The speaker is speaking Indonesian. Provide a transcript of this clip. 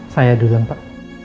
saya dulu pak